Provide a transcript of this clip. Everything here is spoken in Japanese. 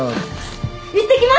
いってきます！